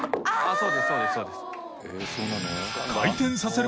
そうですそうです。